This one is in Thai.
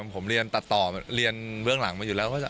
ผมเรียนตัดต่อเรียนเบื้องหลังมาอยู่แล้ว